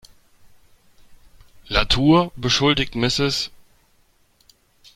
Latour beschuldigt Mrs.